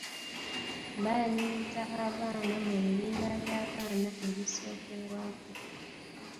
Baaniriza abaana mu bibiina by'abaana ebisookerwako.